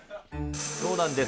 そうなんです。